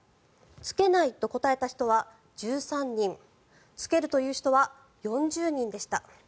着けないと答えた人は１３人着けるという人は４０人でした。